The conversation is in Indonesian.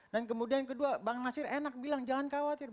dan kemudian kedua bang nasir enak bilang jangan khawatir